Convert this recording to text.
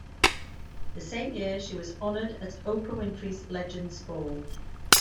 The same year she was honored at Oprah Winfrey's Legends Ball.